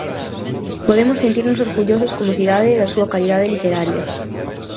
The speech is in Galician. Podemos sentirnos orgullosos como cidade da súa calidade literaria.